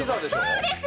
そうです！